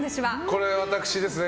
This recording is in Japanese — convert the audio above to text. これ、私ですね。